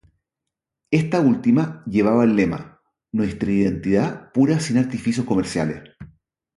Esta última llevaba el lema: Nuestra identidad pura sin artificios comerciales.